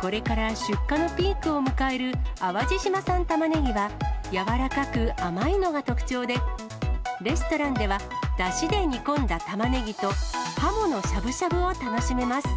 これから出荷のピークを迎える淡路島産たまねぎは、柔らかく甘いのが特徴で、レストランでは、だしで煮込んだたまねぎと、はものしゃぶしゃぶを楽しめます。